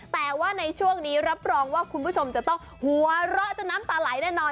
แต่ว่าในช่วงนี้รับรองว่าคุณผู้ชมจะต้องหัวเราะจนน้ำตาไหลแน่นอน